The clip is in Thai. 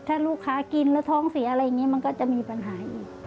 ถ้าลูกค้ากินแล้วท้องเสียอะไรอย่างนี้มันก็จะมีปัญหาอีก